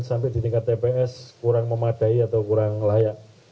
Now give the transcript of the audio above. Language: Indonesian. dan juga tps kurang memadai atau kurang layak